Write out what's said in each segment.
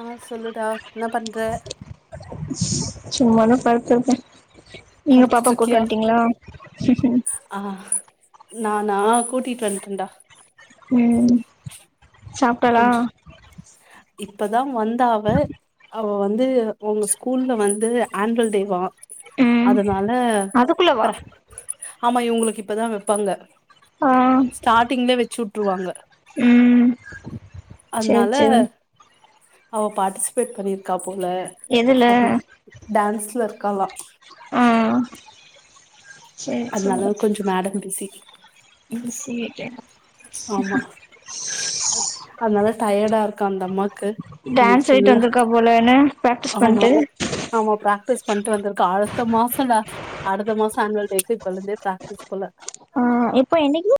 ஆஹ் சொல்லுடா என்ன பண்ற சும்மாதா படுத்திருக்கே நீங்க படுத்துட்டு பாப்பா கூட்டு இருக்கியா வந்ட்டீங்களா ஆ நானா கூட்டிட்டு வந்ட்டேன்டா ம் சாப்பிட்டலா கொஞ்ச இப்பதா வந்தா அவ அவ வந்து அவங்க ஸ்கூல்ல வந்து ஆனுவல் டேவா ம் அதனால அதுக்குள்ளவா ப்ற ஆமா இவங்களுக்கு இப்பதா வெப்பாங்க ஆ ஸ்டார்டிங்ல வெச்சு வுட்டுருவாங்க ம் செரி ல அவ பார்ட்டிசிபேட் பண்ணியிருக்கா போல எதுல அத டான்ஸ்ல இருக்கால ஆ செரி செரி அதனால கொஞ்ச மேடம் பிஸி இனிசி [unintelligible] ஆமா அதனால டயர்டா இருக்க அந்த அம்மாக்கு இன்னைக்கி டான்ஸ் ஆடிட்டு ஃபுல்லா வந்திருக்கா போல என்ன பிராக்டிஸ் ஆமா பண்ட்டு ஆமா பிராக்டிஸ் பண்ணிட்டு வந்திருக்க ஆழ அடுத்த மாசல்ல அடுத்த மாச ஆனுவல் டேக்கு இப்பல இருந்தே பிராக்டிஸ் போல ஆ எப்ப என்னைக்கி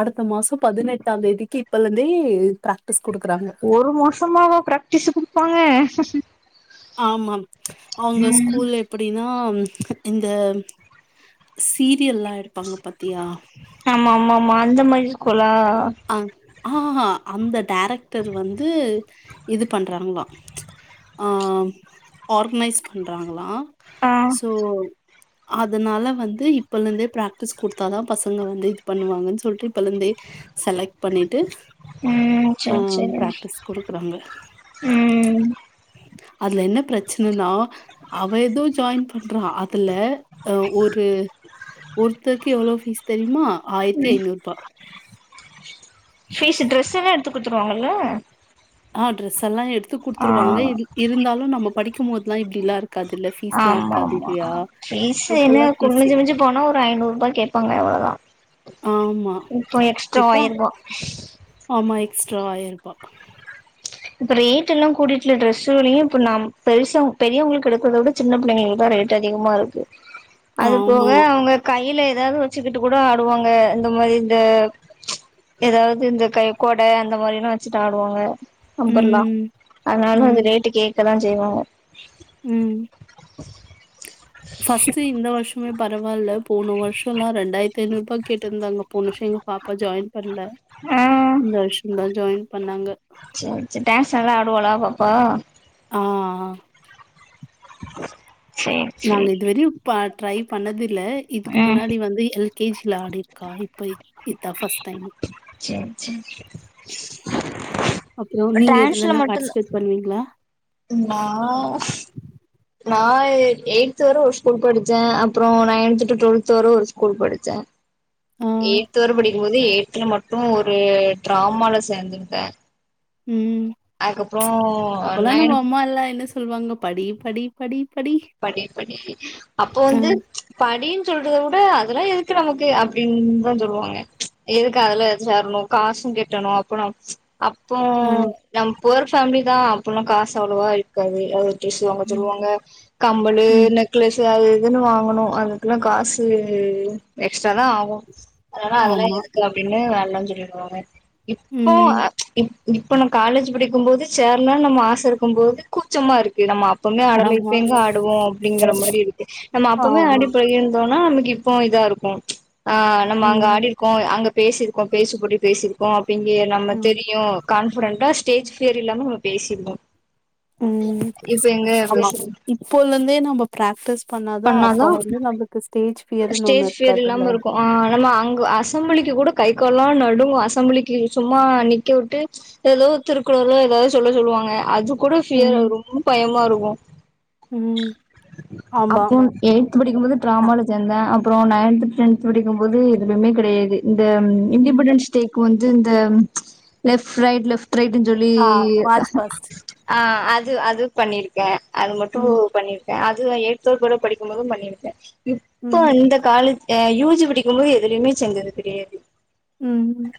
அடுத்த மாச பதினெட்டா தேதிக்கு இப்பல இருந்தே பிரக் ஒரு மாசமாவ பிராக்டிஸ் குடுப்பாங்க ஆமாம் அவங்க ம் ஸ்கூல் எப்டின்னா இந்த சீரியல்லா எடுப்பாங்க பாத்தியா ஆமா ஆமா ஆமா அந்த மாரி இருக்குல்லா ஆ ஆஹ அந்த டேரக்டர் வந்து இது பண்றாங்களா ஆ ஆர்கர்கனைஸ் பண்றாங்களா ஆ சோ அதனால வந்து இப்பல இருந்தே பிராக்டிஸ் குடுத்தாதா பசங்க வந்து இது பண்ணுவாங்கன்னு சொல்லிட்டு இப்பல இருந்தே செலக்ட் பண்ணிட்டு ம் ஆ சேரி சேரி பிராக்டிஸ் குடுக்குறாங்க ம் அதுல என்ன பிரச்சனைனா அவ ஏதோ ஜாயின் பண்ற அதுல ஒரு ஒருத்தருக்கு எவ்ளோ ஃபீஸ் தெரியுமா ம் ஆயிரத்திஐநூறு ரூபா ஃபீஸ் ட்ரெஸ் எல்லா எடுத்து குடுத்துருவாங்கல்ல ஆ ட்ரெஸ் எல்லா எடுத்து ஆ குடுத்துருவாங்க இ இருந்தாலு நம்ம படிக்கும்போதெலா இப்டிலா இரு ருக்காது இல்ல ஃபீஸ் எல்லா ஆமா இருக்காது ஆமா இல்லையா ஃபீஸ் என்ன இப்பல்லா ஃபீஸ் குமிஞ்சு மிஞ்சு போனா ஒரு ஐநூறு ரூபா கேப்பாங்க அவ்ளோதா ஆமா இப்போ எக்ஸ்ட்ரா இப்பா ஆயிரூபா ஆமா எக்ஸ்டாயிருப்பா இப்ப ரேட் எல்லா கூடிட்டுல டிரெஸ் விலையு இப்ப ந பெருச பெரியவங்களுக்கு எடுக்கறதை விட சின்ன பிள்ளைங்கத ரேட் அதிகமா இருக்கு அது போக ஆமா அவுங்க கயில ஏதாவ ச்சக்கிட்டு கூட ஆடுவாங்க இந்த மாரி இந்த ஏதாவது இந்த கைக்கொடை அந்த மாரிலா வச்சுட்டு ஆடுவாங்க அம்பர்லா ம் அதனால அது ம் ரேட்டு கேக்கதா ஜெய்வாங்க ம் ஃபஸ்ட்டு இந்த வருஷமே பரவால்ல போன வருஷந்தா ரெண்டாயிரத்தி ஐநூறு ருபா கேட்டுருந்தாங்க போன வருஷோ எங்க பாப்பா ஜாயின் பண்ல ஆ இந்த வருஷந்தா ஜாயின் பண்ணாங்க சேரி சேரி டான்ஸ் நல்லா ஆடுவாளா பாப்பா ஆ ஆ சேரி நாங்க சேரி இதுவரையு பா ட்ரை பண்ணது ல்ல இதுக்கு ம் முன்னாடி வந்து எல்கேஜில ஆடியிருக்கா இப்ப இதா பஸ்ட் டைம் சேரி சேரி அப்புறம் நீங்க டான்ஸ்ல இதுலன்னா மட்டுந் பார்ட்டிசிபேட் பண்ணுவீங்களா? ந்தா நா எயி்த்து வர ஒரு ஸ்கூல் படுச்சே அப்பறோ நையன்த்து டூ டுவெல்த் வர ஒரு ஸ்கூல் படுச்சே ஆ. எய்த்து வர படிக்கும்போது எய்தல மட்டு ஒரு ட்ராமால சேந்துருந்தே ம் அப்பல்லா நைன் நம்ம அம்மா எல்லா என்ன சொல்லுவாங்க படி படி படி படி படி அப்போ ஆ, வந்து படின் ன்னு சொல்றத வுட அதெல்லா எதுக்கு நமக்கு அப்டின்னுதா சொல்லுவாங்க எதுக்கு அதுல சேரணு காசு கெட்டணு அப்ப நமக் அப்போ ஆ, நம்ம புவர் ஃபேமிலி தா அப்பல்லா காசு அவ்ளோவா இருக்காது ட்ரஸ் வாங்க ம், சொல்லுவாங்க கம்பளு ம். நெக்லஸ்சு அது இது இதுன்னு வாங்கணு அதுக்குல்லா காசு எக்ஸ்ட்ரா தா ஆகு அதுனாலா அதெல்லா ஆமா. எதுக்கு அப்டின்னு வேண்டான்னு சொல்லிடுவாங்க இப்போ ம். அ இப் இப்ப நம காலேஜ் படிக்கும் போது சேர்ல நம்ம ஆச இருக்கும் போது கூச்சமா இருக்கு நம்ம அப்பமே அடல ஆமா. ஆடுவோ அப்டிங்கிற மாரி இருக்கு நம்ம அப்பமே ஆமா. ஆடி பாடி இருந்தோன்னா நமக்கு இப்போ இதா இருக்கூ ஆ நம்ம அங்க ம், ஆடிருக்கோ அங்க பேசிருக்கோ பேசு போட்டி பேசிருக்கோ அப்டி இங்க நம்ம ம், தெரியு கான்ஃபிடெண்டா ஸ்டேஜ் பியர் இல்லாம நம்ம பேசிருந்தோ இப்ப எங்க பேசரது இப்போலருந்தே நம்ம ப்ராக்டிஸ் பண்ணாதா ஃபியர்ன்னு ஒண்ணு ஸ்டேஜ் பியர் இருக்காதுல்ல இல்லாம இருக்கூ ஆ நம்ம அங்க அசம்பிளிக்கு கூட கை கால்லா நடுங்கு அசம்பிளிக்கு சும்மா நிக்க வுட்டு எததோ திருக்குறளோ எதாவது சொல்ல சொல்லுவாங் பாங்க அது கூட பியர் ம் வரு ரொம்ப பயமா இருக்கூ ம் ஆமா அப்றோ எயி்த் படிக்கும் போது அ, ட்ராமால சேந்தே அப்றோ நயன்து டென்த் படிக்கும்போது எதுலயுமே கெடையாது இந்த ம். இண்டிபெண்டன்ஸ் டேக்கு வந்து இந்த லெஃப்ட் ரைட் லெஃப்ட் ரைட்டுன்னு சொல்லி ஆ மார்ச் ஃபர்ஸ்ட் ஆ அது அது பண்ணிருக்கே அது மட்டு ம் பண்ணியிருக்கே அது [unintelligible] கூட படிக்கும்போது பண்ணியிருக்கே இப்போ ம் அந்த காலேஜ் ஆ யூ ஜி படிக்கும் போது எதுலயுமே சேந்தது கெடயாது ம் ம்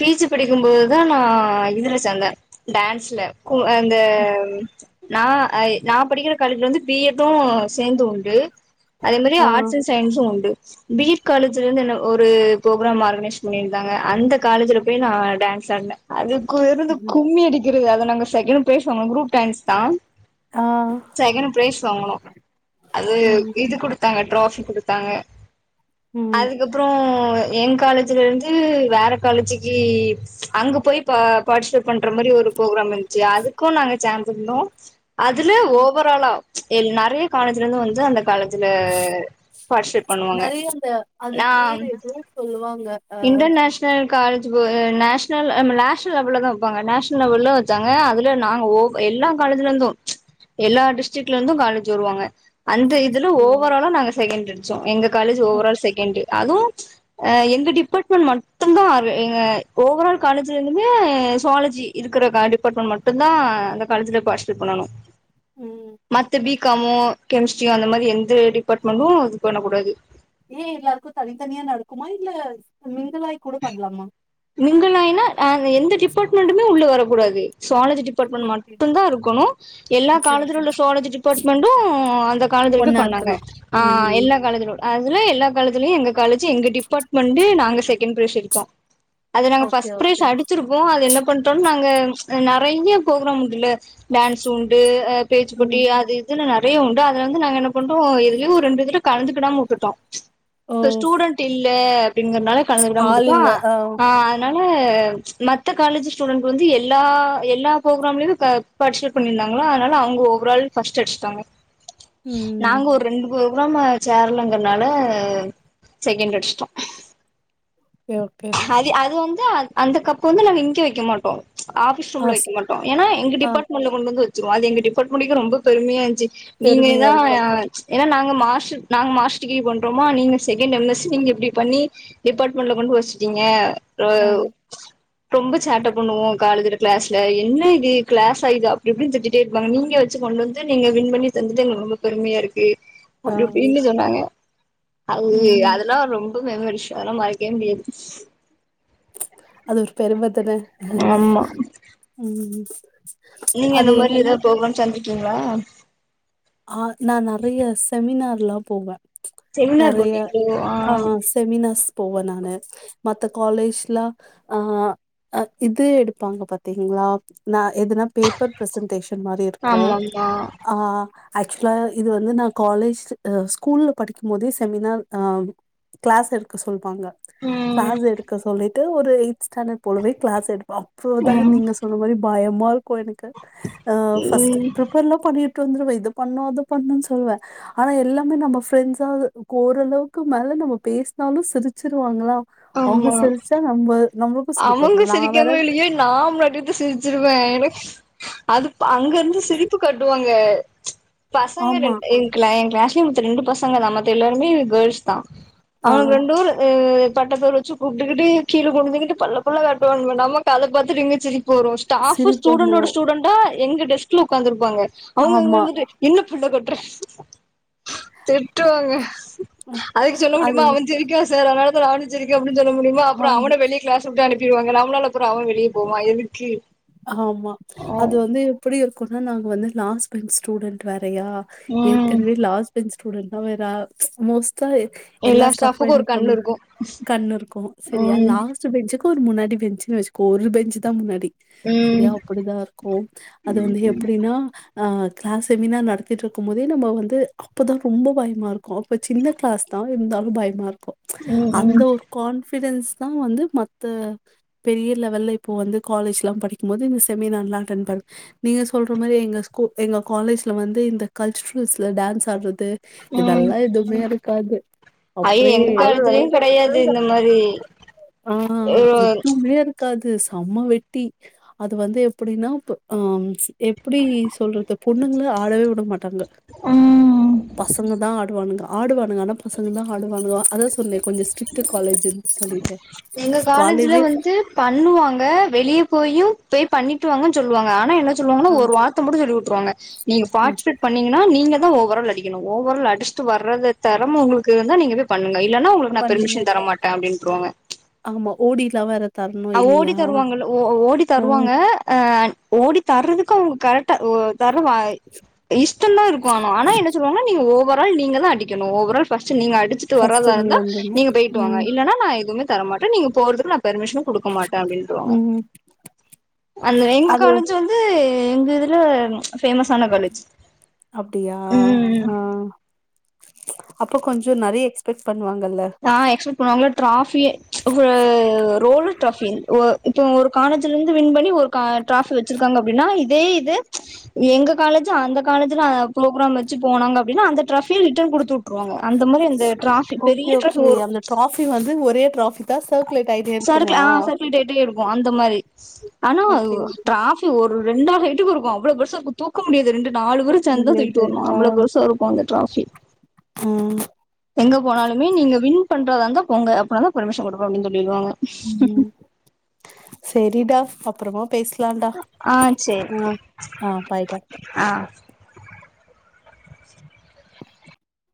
பி ஜி படிக்கும் போதுதா நா இதுல சேந்தே டான்ஸ்ல கும் அந்த நா நா படிக்கிற காலேஜ்ல வந்து பி எட் மட்டு சேந்து உண்டு அதே மாரி ஆ ஆர்ட்ஸ் அண்ட் சயின்ஸு உண்டு பி எட் காலேஜ்ல இருந்து என்ன ஒரு புரோக்ராம் ஆர்கனைஸ் பண்ணிருந்தாங்க அந்த காலேஜ்ல போய் நா டான்ஸ் ஆடுனே அதுக்கு இருந்து ம். கும்மி அடிக்கிறது அத நாங்க செகண்ட் ப்ரைஸ் வாங்குனோ குரூப் டான்ஸ்தா ஆ செகண்ட் ப்ரைஸ் வாங்குனோ அது ம் இது குடுத்தாங்க ட்ராஃபி குடுத்தாங்க ம் அதுக்கப்றோ ஏ காலேஜ்ல இருந்து வேற காலேஜுக்கு அங்க போயி பா பார்டிசிபேட் பண்ற மாரி ஒரு புரோக்ராம் இருந்துச்சு அதுக்கு நாங்க சேந்துருந்தோ அதுல அ ஓவராலா எ நெறைய காலேஜ்ல இருந்து வந்து அந்த காலேஜ்ல பார்சிப்ட் பண்ணுவாங்க நெறைய அந்த அது நா பேரு எதோ சொல்லுவாங்க ஆ இன்டர்நேஷ்னல் கால் வ நேஷ்னல் நேஷ்னல் லெவல்லதா வப்பாங்க நேஷனல் லெவல வச்சாங்க அதுல நாங்க ஓவ் எல்லா கால் காலேஜ்ல இருந்தும் எல்லா டிஷ் டிக்ல இருந்து காலேஜ் வருவாங்க அந்த இதுல ஓவராலா நாங்க செகண்ட்டடுச்சோ எங்க காலேஜ் ஓவரால் செகண்ட்டு அதுவு எங்க டிபார்ட்மெண்ட் மட்டுதா எங்க ஓவரால் காலேஜ்ல இருந்துமே சோலஜி இருக்கிற டிபார்ட்மெண்ட் மட்டுந்தா அந்த காலேஜ்ல பாஷ்பேட் பண்ணனு ம் மத்த பி கா மோ கெமிஸ்ட்ரியோ அந்த மாரி எந்த டிபார்ட்மென்டு இது பண்ணக் கூடாது ஏ எல்லாருக்கு தனித்தனியா நடக்குமா இல்ல மிங்குளாய் கூட பண்ணலாமா மிங்குளாய்னா அ எந்த டிபார்ட்மெண்ட்மே உள்ள வரக்கூடாது சோலஜி ஓகே டிபார்ட்மெண்ட் ஓகே மட்டு தா இருக்கணு எல்லா ஓகே காலஜ்ல ஓகே உள்ள சோலஜி டிபார்ட்மென்டு அந்த கா லேஜ்ல வரைக்கு ஒன்னா பண்ணாங்க இருக்கணு ஆ ம் ம். எல்லா காலேஜ்ல அதுல எல்லா காலஜ்லயு எங்க காலேஜ்ஜு எங்க டிபார்ட்மெண்ட்டு நாங்க [unintelligible] அது நாங்க ஓகே ஃபஷ்ட் ப்ரைஸ் ஓகே அடிச்சுருப்போ அது என்ன பண்ட்டோ நாங்க நா நறைய போக்ராம் உண்டுல்ல டான்ஸ் உண்டு பேச் போட்டி ம் அது இதுல நெறைய உண்டு அதுல வந்து நாங்க என்ன பண்டோ எதுலயோ ஒரு ரெண்டு இதுல கலந்துக்கிடாம உட்டுட்டோ ஓ இப்ப ஸ்டூடண்ட் இல்ல அப்டிங்கறனால கலந்துக்கிடாம ஆள் உட்டுட்டோ இல்ல ஆ அதனா ல மத்த காலேஜ் ஸ்டூடெண்ட் வந்து எல்லா எல்லா புரோக்ராம்லயு ப பார்சிபேட் பண்ணியிருந்தாங்க அதனால அவங்க ஓவரால் ஃபர்ஸ்ட்டு அடிச்சட்டாங்க ம் நாங்க ஒரு ரெண்டு புரோக்ராம சேரலங்ரனால செகண்ட் அடிச்சிட்டோ [unintelligible] அது அது வந்து அந்த கப் வந்து நம்ம இங்க வக்க மாட்டோ ஆபிஸ் ஆ ரூம்ல ஸ் வக்க மாட்டோ ஏன்னா எங்க ஆ டிபார்ட்மெண்ட்ல கொண்டு வந்து வச்சிருவோ அது எங்க டிபார்ட்மென்டுகே ரெம்ப பெருமையா இருச்சு பெருமையா நீங்கதா இருக்கு ஏன்னா நாங் க மாஸ் நாங்க மாஸ்டர் டிகிரி பண்றோமா நீங்க செகண்ட் எம் எஸ் நீங்க எப்டி பண்ணி டிபார்ட்மெண்ட்ல கொண்டு வச் சீங்க ஓ ஆ ஆ ரொம்ப சேட்ட பண்ணுவோ காலேஜ்ல கிளாஸ்ல என்ன இது கிளாஸா இது அப்டி இப்டினு திட்டிடே இருப்பாங்க நீங்க வச்சு கொண்டு வந்து நீங்க வின் பண்ணி தந்தது எனக்கு ரொம்ப பெருமையா இருக்கு அப்டி இப்டின்னு சொன்னாங்க அது ம் அதெல்லா ரொம் மெமரிஷ் அதுலா மறக்கே முடியாது அது ஒரு பெருமதான ஆமா ம் நீங்க அது இந்த மாரி என்னன்னா ஏதாவது புரோக்ராம் சேந்துக்கீங்களா ஆ நா நெறைய செமினார்லா போவே செமினார் நெறைய போட்டிங்களோ ஆ செமினார்ஸ் போவனானு மத்த காலேஜ்லா ஆ அ இது எடுப்பாங்க பாத்தீங்களா ந எதுனா பேப்பர் ப்ரெஷன்டேஷன் மாரி இருக்கு ஆமாமா ஆ ஆக்சுவலா இது வந்து நா காலேஜ் ஸ்கூல்ல படிக்கும் போதே செமினார் அ கிளாஸ் எடுக்க சொல்லுவாங்க ம் கிளாஸ் எடுக்க சொல்லிட்டு ஒரு ஏட் ஸ்டாண்டர்ட் போலவே கிளாஸ் எ அப்போதா ம் நீங்க சொன்ன மாரி பயமா இருக்கு எனக்கு அ பஸ்ட்டு ம் பரிப்பர்ல்லா பண்ணி ட்டு வந்துருவே இதுப் பண்ணு அது பண்ணும்ன்னு சொல்லுவே ஆனா எல்லாமே நம்ம பெரண்ட்ஸா ஓரளவுக்கு மேல நம்ம பேசி இருந்தாலு சிரிச்சிருவாங்களா அவங்க ஆமா சிரிச்சா நம்ம நம்மளுக்கு சிரிப்பு அவங்க வந்துரு நா வேற சிரிக்கங்கலொ இல்லையே நா பாட்டுக்கு சிரிச்சிருவே எனக்கு அது அங்கருந்து சிரிப்பு காட்டுவாங்க பசங்க ரெ ஆமா ஏன் எ கிளாஸ்லயே மொத்த ரெண்டு பசங்க தா மத்த எல்லாருமே கேர்ள்ஸ் தா ஆ அவங்க ரெண்டுர் ஆ பட்ட பேர் வச்சு கூப்ட்டுக்கிட்டு கீழ குனுஞ்சிகிட்டு பல்ல பல்ல காட்டுவாங்க நமக்கு அத பாத்துட்டு இங்க சிரிப்புவரு ஸ்டாப்வு சிரிப்பு வந்துரு ஸ்டூடண்டடோட ஸூடெண்டா எங்க டெஸ்க்ல உக்காந்துருப்பாங்க ஆமா அவங்கங்கந்துட்டு என்ன பல்லக்காட் திட்டுவாங்க அதுக்கு சொல்ல அது முடியுமா அவ சிரிக்கா சார் அதானாலதா நானு சரிக்கேனு அப்ப சொல்ல முடியுமா அப்பற ஆமா அவன வெளிய கிளாஸ விட்டு அனுப்பிடுவாங்க நம்மலால அப்ற அவ வெளிய போவா எதுக்கு ஆமா அது வந்து எப்டி இருக்கும்னா நாங்க வந்து லாஸ்ட் பென்ச் ஸ்டூடெண்ட் வேற யா ம் ஏற்கனவே லாஸ்ட் பென்ச்ஸ்டூடெண்ட் நா வேற மோஸ்ட் எல்லா ஸ்டாஃப் ஸ்டாஃபுக்கு என்ன ஒரு பண்ண கண்ணு இருக்கு கண்ணு இருக்கு சரியா ம் லாஸ்ட் பெஞ்சு ஒரு முன்னாடி பெஞ்சுன் வச்சுக்கோ ஒரு பெஞ்சு தா முன்னாடி சரியா ம் அப்டிதா இருக்கு அது வந்து எப்டின்னா ஆ கிளாஸ் செமினார் நடத்திட்டு இருக்கு போதே நம்ம வந்து அப்பதா ரொம்ப பயமா இருக் கு இப்ப சின்ன கிளாஸ் தா இருந்தாலு பயமா இருக்கு ம் அந்த ம் ஒரு கான் ஃபிடன்ஸ் தா வந்து மத்த பெரிய லெவல்ல இப்ப வந்து காலேஜ் படிக்குபோது இந்த செமினார்ல அட்டன் பன் நீங்க சொல்ற மாரி எங்க ஸ்கூ எங்க காலேஜ்ல வந்து இந்த க ல்ச்சுரல்ஸ்ல டான்ஸ் ஆடுறது ம் இதெல்லா எதுவுமே இருக்காது ஐயோ அப்ரே எங்க காலேஜ்லயு கெடையாது இந்த மாரி ஆ எதுவுமே இருக்காது து செம்ம வெட்டி அது வந்து எப்டின்னா போ ஆ எப்டி சொல்றது பொண்ணுங்கள ஆடவே விட மாட்டாங்க ம் பசங்க தா ஆடுவானுங்கா ஆடுவானுங்க ஆன பசங்க தா ஆடுவானுவங்க அதா சொன்னே கொஞ்சோ ஸ்ட்ரிக்டு காலேஜன்னு சொல்லி எங்க காலேஜ்ல வந்து பண்ணுவாங்க வெளியே போயு போயு பண்ணிட்டு வாங்கன்னு சொல்லுவாங்க ஆனா என்ன சொல்லுவாங்கன்னா ஆ, ஒரு வார்த்த மட்டு சொல்லி குடுத்துருவாங்க நீங்க ஆ பார்டிசிபேட் பண்ணீங்கானா நீங்கதா ஓவரா அடிக்கிணு ஓவரா அடிச்சுட்டு வர்றத தறம உங்களுக்கு இருந்தா நீங்க போய் பண்ணுங்க இல்லன்னா உங்களுக்கு நா பண்ணுங்க. பெர்மிஷ தர மாட்டே அப்டின்ருவாங்க ஆமா ஓடிலா வற அ ஓடி தருவாங்கள்ள ஓ ஓடி ஆ தருவாங்க அ ஓடி தர்றதுக்கு அவுங்க கரெக்டா தரவாய் இஷ்டோ தா இருக்கு ஆனா ஆனா என்ன சொல்லுவாங்க நீ ஓவரால் நீ தா அடிக்கணு ஓவரால் ஃபா ஸ்ட் நீங்க அடிச்சிட்டு ஃபர்ஸ்ட்டு நீ வராதாருந்தா வந்துடணும். நீங்க போயிட்டு வாங்க ம், இல்லன்னா நா எதுமே தர மாட்டே நீங்க போறதுக்கு நா பெர்மிஷன் குடுக்க மாட்டே அப்டின்ருவாங்க ம். அந்த வே எங்க அது காலேஜ் வந்து எங்க இதுல ஃபேமஸ் ஆனா காலேஜ் அப்டியா ம் ஆ அப்ப கொஞ்சோ நறைய எக்ஸ்பெக்ட் பண் ண எக்ஸ்பெக்ட் பண்ணுவாங்கள ட்ராபியே ஒரு ரோலு ட்ராபி ஒ இப்ப ஒரு காலேஜ்ல இருந்து வின் பண்ணி ஒரு கா ட்ராபி வச்சிருக்காங்க அப்டின்னா இ தே இது எங்க காலேஜு அந்த காலேஜ்ல ப்ரோக்ரா வச்சு போனாங்க அப்டின்னா அந்த ட்ராபி ரிட்டன் குடுத் துட்டுருவாங்க அந்த மாரி அந்த ட்ராபி பெரிய ட்ராஃபி கே ஒரு அந்த ட்ராபி வந்து ஒரே ட்ராபி தா சருக்குளு ஆ சர்க்கிள் [inaudible] எடுக்கு அந்த மாரி ஆனா ஓகே ட்ராபி ஒ ரு ரெண்டா ஆ ஹைட்டுக்கு இருக்கு அவ்வளோ பெருசு இருக்கு தூக்க முடியாது ரெண்டு நாலு தூக்க பேரு சேந்துதா தூக்கிட்டு முடியாது. வரணு ஆ அவ்ளோ பெருசா இருப்பாங்க ட்ராபி ம் எங்க போனாலுமே நீங்க வின் பண்றதாங்க போங்க அப்பனாதா பர்மிஷன் குடுப்பாங்க அப்டினு சொல்லிடுவாங்க ம் ம் செரிடா அப்றோமா பேசலாடா ஆ சேரி ஆ ஆ பாய்டா ஆ